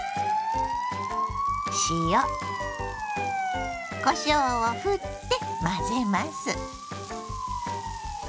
塩こしょうをふって混ぜます。